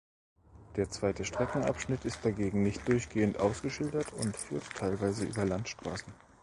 Der zweite Streckenabschnitt ist dagegen nicht durchgehend ausgeschildert und führt teilweise über Landstraßen.